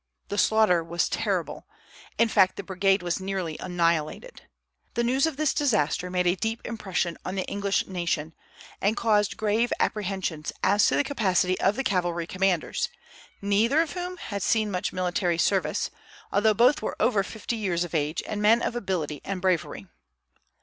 The slaughter was terrible, in fact, the brigade was nearly annihilated. The news of this disaster made a deep impression on the English nation, and caused grave apprehensions as to the capacity of the cavalry commanders, neither of whom had seen much military service, although both were over fifty years of age and men of ability and bravery.